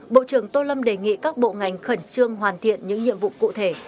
bộ trưởng tô lâm đề nghị các bộ ngành khẩn trương hoàn thiện những nhiệm vụ cụ thể